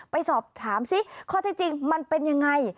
ไปสอบถามซิข้อที่จริงมันเป็นยังไง